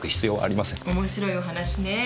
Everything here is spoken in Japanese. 面白いお話ね。